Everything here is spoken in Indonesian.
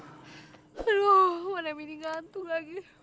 aduh mana mini ngantuk lagi